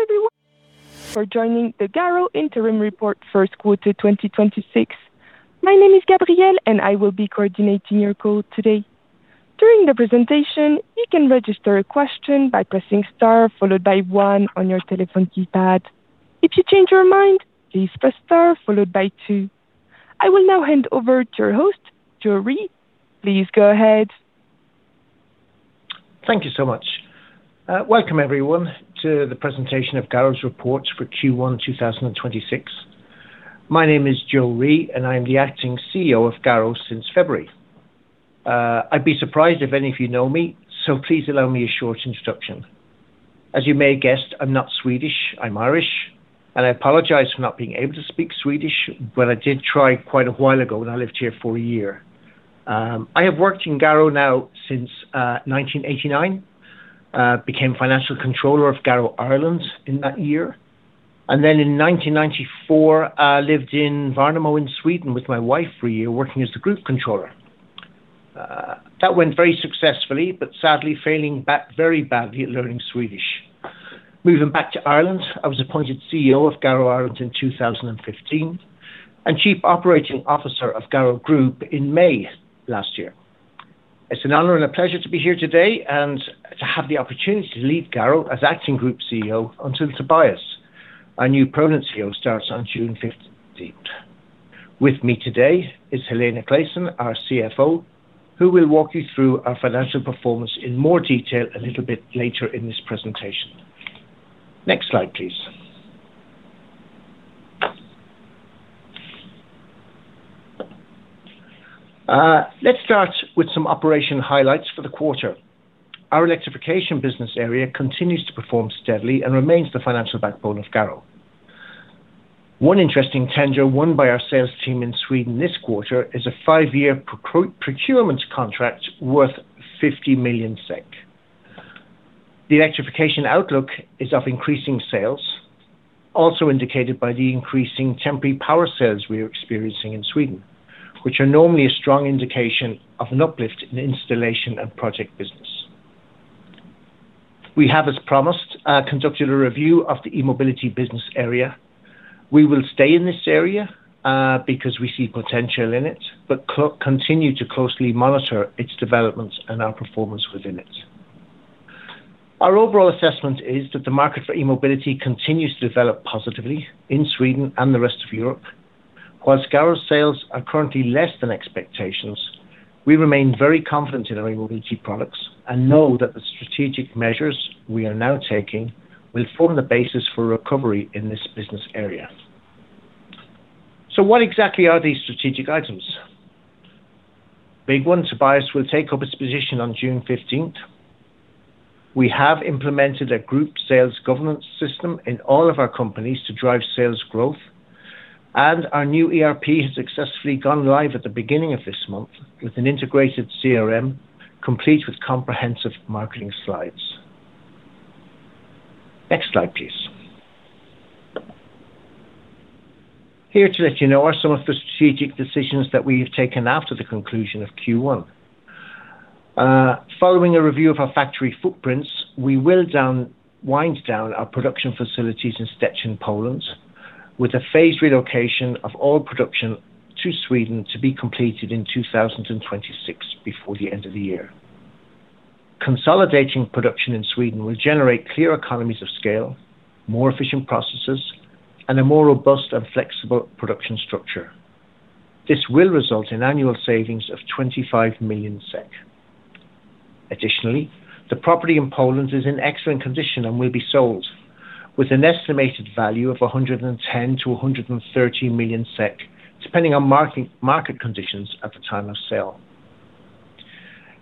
Hello, everyone. Thank you for joining the GARO interim report first quarter 2026. My name is Gabrielle, and I will be coordinating your call today. During the presentation, you can register a question by pressing Star followed by one on your telephone keypad. If you change your mind, please press Star followed by two. I will now hand over to your host, Joe Ree. Please go ahead. Thank you so much. Welcome everyone to the presentation of GARO's report for Q1 2026. My name is Joe Ree, and I'm the Acting CEO of GARO since February. I'd be surprised if any of you know me, so please allow me a short introduction. As you may have guessed, I'm not Swedish, I'm Irish, and I apologize for not being able to speak Swedish, but I did try quite a while ago when I lived here for a year. I have worked in GARO now since 1989. Became financial controller of GARO Ireland in that year. Then in 1994, I lived in Värnamo in Sweden with my wife for a year, working as the group controller. That went very successfully, but sadly failing very badly at learning Swedish. Moving back to Ireland, I was appointed CEO of GARO Ireland in 2015, and Chief Operating Officer of GARO Group in May last year. It's an honor and a pleasure to be here today and to have the opportunity to lead GARO as acting group CEO until Tobias, our new permanent CEO, starts on June 15th. With me today is Helena Claesson, our CFO, who will walk you through our financial performance in more detail a little bit later in this presentation. Next slide, please. Let's start with some operation highlights for the quarter. Our Electrification business area continues to perform steadily and remains the financial backbone of GARO. One interesting tender won by our sales team in Sweden this quarter is a five-year procurement contract worth 50 million SEK. The Electrification outlook is of increasing sales, also indicated by the increasing Temporary Power sales we are experiencing in Sweden, which are normally a strong indication of an uplift in installation and project business. We have, as promised, conducted a review of the E-mobility business area. We will stay in this area because we see potential in it, but continue to closely monitor its developments and our performance within it. Our overall assessment is that the market for E-mobility continues to develop positively in Sweden and the rest of Europe. Whilst GARO's sales are currently less than expectations, we remain very confident in our E-mobility products and know that the strategic measures we are now taking will form the basis for recovery in this business area. What exactly are these strategic items? Big one, Tobias will take up his position on June 15th. We have implemented a group sales governance system in all of our companies to drive sales growth, and our new ERP has successfully gone live at the beginning of this month with an integrated CRM complete with comprehensive marketing slides. Next slide, please. Here to let you know are some of the strategic decisions that we have taken after the conclusion of Q1. Following a review of our factory footprints, we will wind down our production facilities in Szczecin, Poland, with a phased relocation of all production to Sweden to be completed in 2026, before the end of the year. Consolidating production in Sweden will generate clear economies of scale, more efficient processes, and a more robust and flexible production structure. This will result in annual savings of 25 million SEK. Additionally, the property in Poland is in excellent condition and will be sold with an estimated value of 110 million-130 million SEK, depending on market conditions at the time of sale.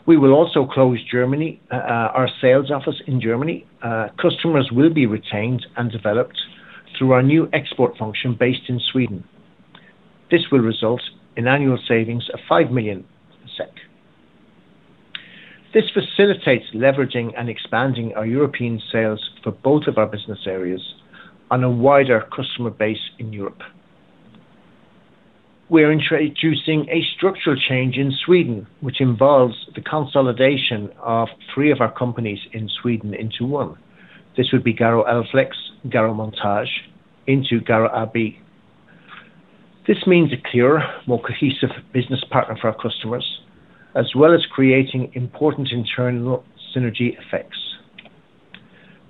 We will also close our sales office in Germany. Customers will be retained and developed through our new export function based in Sweden. This will result in annual savings of 5 million. This facilitates leveraging and expanding our European sales for both of our business areas on a wider customer base in Europe. We're introducing a structural change in Sweden, which involves the consolidation of three of our companies in Sweden into one. This would be GARO Elflex, GARO Montage into GARO AB. This means a clearer, more cohesive business partner for our customers, as well as creating important internal synergy effects.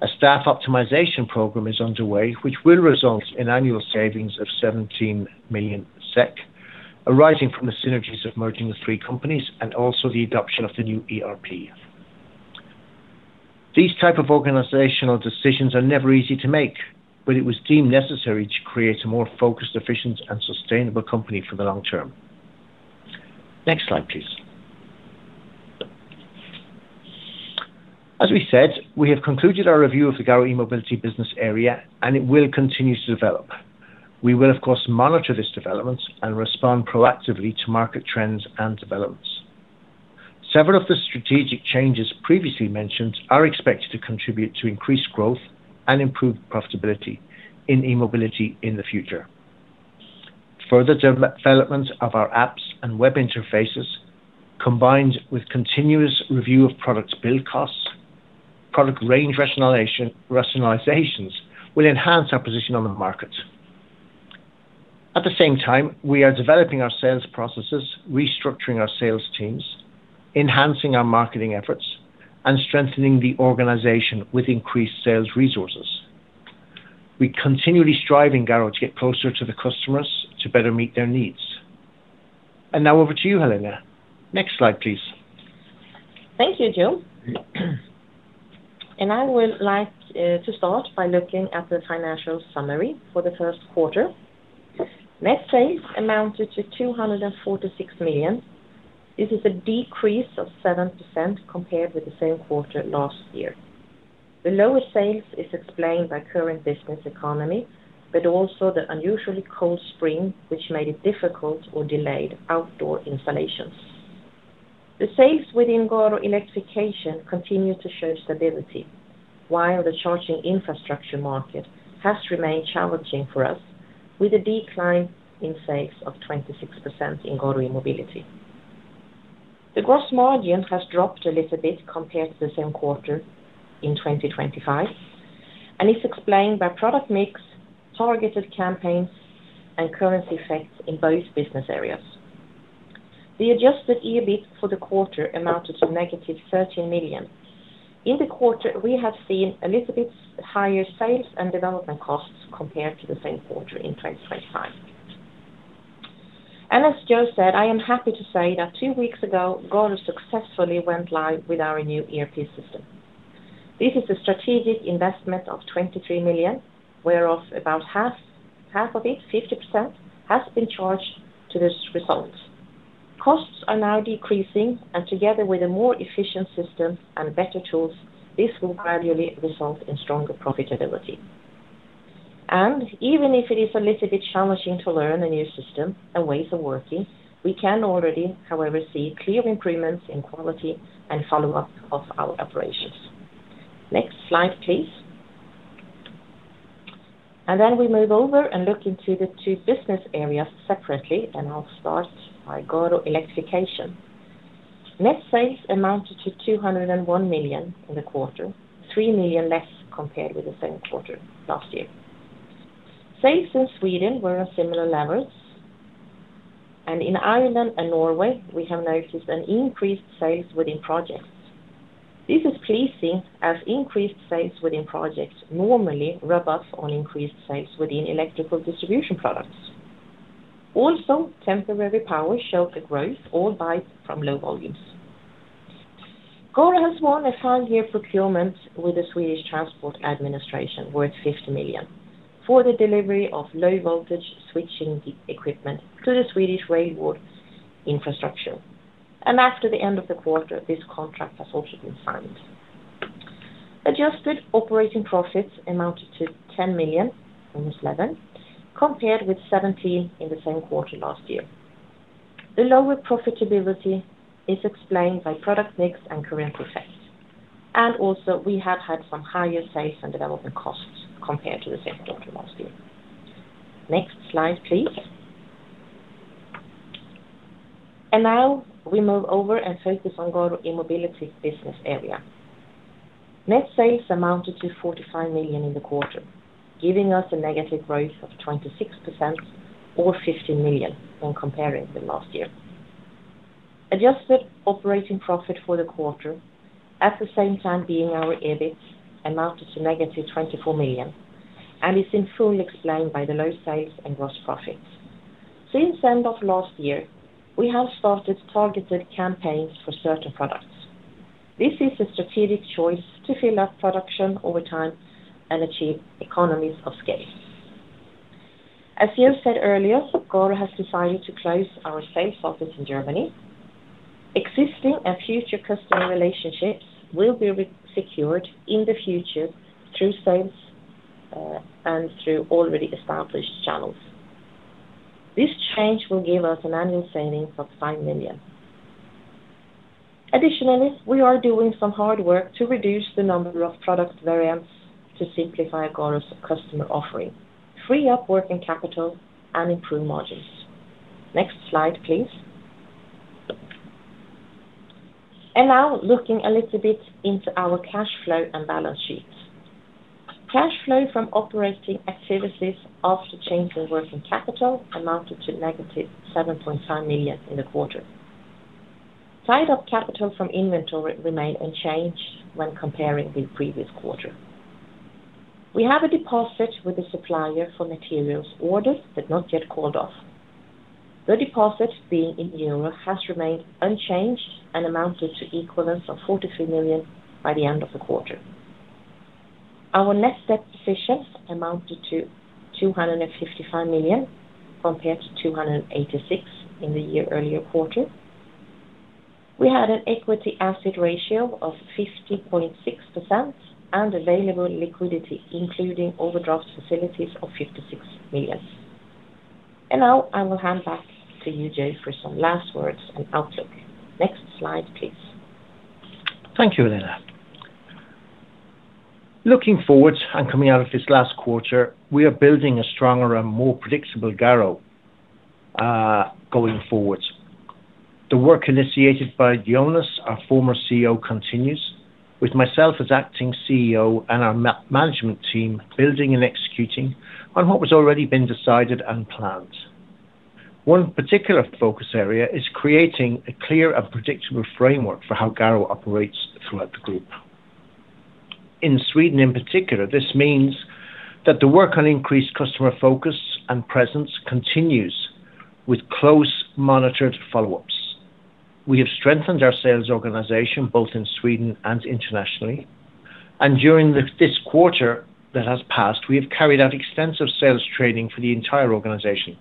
A staff optimization program is underway, which will result in annual savings of 17 million SEK arising from the synergies of merging the three companies and also the adoption of the new ERP. These type of organizational decisions are never easy to make, but it was deemed necessary to create a more focused, efficient, and sustainable company for the long term. Next slide, please. As we said, we have concluded our review of the GARO E-mobility business area, and it will continue to develop. We will, of course, monitor this development and respond proactively to market trends and developments. Several of the strategic changes previously mentioned are expected to contribute to increased growth and improved profitability in E-mobility in the future. Further development of our apps and web interfaces, combined with continuous review of products build costs, product range rationalizations will enhance our position on the market. At the same time, we are developing our sales processes, restructuring our sales teams, enhancing our marketing efforts, and strengthening the organization with increased sales resources. We continually strive in GARO to get closer to the customers to better meet their needs. Now over to you, Helena. Next slide, please. Thank you, Joe. I would like to start by looking at the financial summary for the first quarter. Net sales amounted to 246 million. This is a decrease of 7% compared with the same quarter last year. The lower sales is explained by current business economy, but also the unusually cold spring, which made it difficult or delayed outdoor installations. The sales within GARO Electrification continue to show stability, while the charging infrastructure market has remained challenging for us, with a decline in sales of 26% in GARO E-mobility. The gross margin has dropped a little bit compared to the same quarter in 2025 and is explained by product mix, targeted campaigns, and currency effects in both business areas. The adjusted EBIT for the quarter amounted to negative 13 million. In the quarter, we have seen a little bit higher sales and development costs compared to the same quarter in 2025. As Joe said, I am happy to say that two weeks ago, GARO successfully went live with our new ERP system. This is a strategic investment of 23 million, whereof about half of it, 50%, has been charged to this result. Costs are now decreasing, and together with a more efficient system and better tools, this will gradually result in stronger profitability. Even if it is a little bit challenging to learn a new system and ways of working, we can already, however, see clear improvements in quality and follow-up of our operations. Next slide, please. Then we move over and look into the two business areas separately, and I'll start by GARO Electrification. Net sales amounted to 201 million in the quarter, 3 million less compared with the same quarter last year. Sales in Sweden were at similar levels. In Ireland and Norway, we have noticed an increased sales within projects. This is pleasing as increased sales within projects normally rub off on increased sales within electrical distribution products. Also, Temporary Power showed a growth, albeit from low volumes. GARO has won a five-year procurement with the Swedish Transport Administration worth 50 million for the delivery of low-voltage switching equipment to the Swedish railroad infrastructure. After the end of the quarter, this contract has also been signed. Adjusted operating profits amounted to 10 million, almost 11 million, compared with 17 million in the same quarter last year. The lower profitability is explained by product mix and currency effects. Also, we have had some higher sales and development costs compared to the same quarter last year. Next slide, please. Now we move over and focus on GARO E-mobility business area. Net sales amounted to 45 million in the quarter, giving us a negative growth of 26% or 50 million when comparing with last year. Adjusted operating profit for the quarter, at the same time being our EBIT, amounted to negative 24 million and is in full explained by the low sales and gross profits. Since end of last year, we have started targeted campaigns for certain products. This is a strategic choice to fill up production over time and achieve economies of scale. As Joe said earlier, GARO has decided to close our sales office in Germany. Existing and future customer relationships will be secured in the future through sales and through already established channels. This change will give us an annual saving of 5 million. Additionally, we are doing some hard work to reduce the number of product variants to simplify GARO's customer offering, free up working capital, and improve margins. Next slide, please. Now looking a little bit into our cash flow and balance sheets. Cash flow from operating activities after change in working capital amounted to negative 7.5 million in the quarter. Tied-up capital from inventory remained unchanged when comparing the previous quarter. We have a deposit with a supplier for materials ordered, but not yet called off. The deposit, being in Euro, has remained unchanged and amounted to equivalence of 43 million by the end of the quarter. Our net debt positions amounted to 255 million, compared to 286 million in the year earlier quarter. We had an equity asset ratio of 50.6% and available liquidity, including overdraft facilities of 56 million. Now I will hand back to you, Joe, for some last words on outlook. Next slide, please. Thank you, Helena. Looking forward and coming out of this last quarter, we are building a stronger and more predictable GARO going forward. The work initiated by Jonas, our former CEO, continues with myself as acting CEO and our management team building and executing on what was already been decided and planned. One particular focus area is creating a clear and predictable framework for how GARO operates throughout the group. In Sweden, in particular, this means that the work on increased customer focus and presence continues with close monitored follow-ups. We have strengthened our sales organization both in Sweden and internationally. During this quarter that has passed, we have carried out extensive sales training for the entire organization.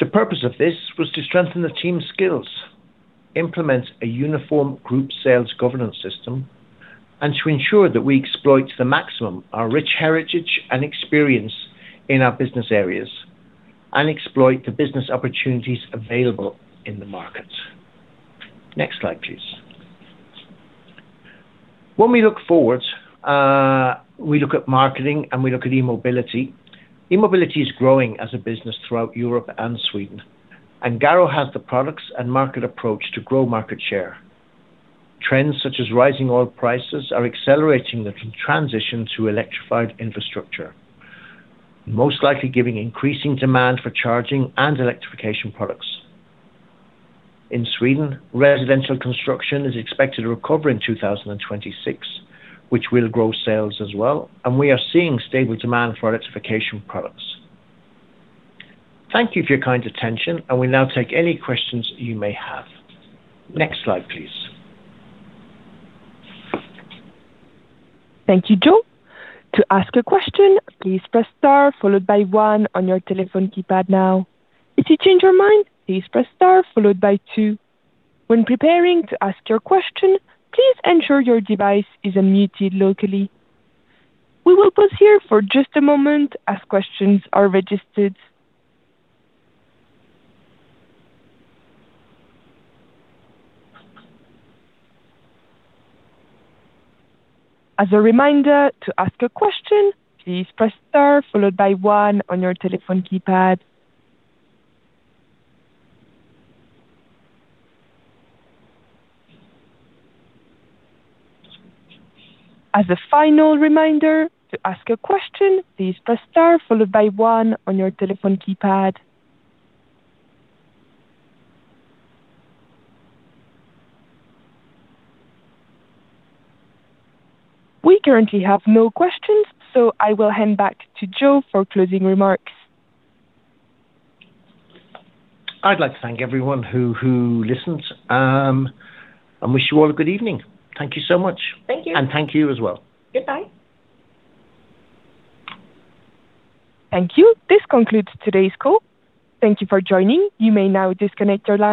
The purpose of this was to strengthen the team's skills, implement a uniform group sales governance system, and to ensure that we exploit to the maximum our rich heritage and experience in our business areas and exploit the business opportunities available in the market. Next slide, please. When we look forward, we look at marketing and we look at E-mobility. E-mobility is growing as a business throughout Europe and Sweden. GARO has the products and market approach to grow market share. Trends such as rising oil prices are accelerating the transition to electrified infrastructure, most likely giving increasing demand for charging and Electrification products. In Sweden, residential construction is expected to recover in 2026, which will grow sales as well. We are seeing stable demand for Electrification products. Thank you for your kind attention. We now take any questions you may have. Next slide, please. Thank you, Joe. To ask a question, please press star followed by one on your telephone keypad now. If you change your mind, please press star followed by two. When preparing to ask your question, please ensure your device is unmuted locally. We will pause here for just a moment as questions are registered. As a reminder, to ask a question, please press star followed by one on your telephone keypad. As a final reminder, to ask a question, please press star followed by one on your telephone keypad. We currently have no questions, so I will hand back to Joe for closing remarks. I'd like to thank everyone who listened, and wish you all a good evening. Thank you so much. Thank you. Thank you as well. Goodbye. Thank you. This concludes today's call. Thank you for joining. You may now disconnect your line.